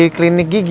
aku mau makan lagi